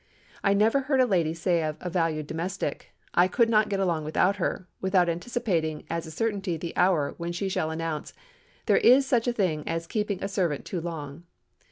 I never hear a lady say of a valued domestic, 'I could not get along without her,' without anticipating as a certainty the hour when she shall announce, 'There is such a thing as keeping a servant too long.